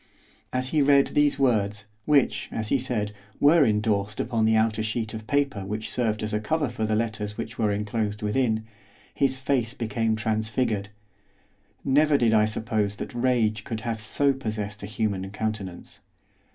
As he read these words, which, as he said, were endorsed upon the outer sheet of paper which served as a cover for the letters which were enclosed within, his face became transfigured. Never did I suppose that rage could have so possessed a human countenance.